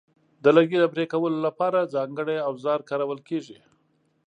د لرګي د پرې کولو لپاره ځانګړي اوزار کارول کېږي.